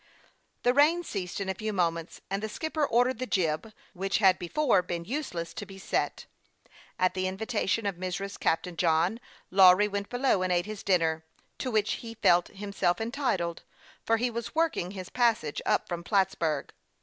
The rain ceased in a few moments, and the skip per ordered the jib, which had before been useless, to be set. At the invitation of Mrs. Captain John, Lawry went below and ate his dinner, to which he felt himself entitled, for he was working his passage up from Plattsburg.